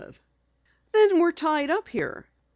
"Then we're tied up here?"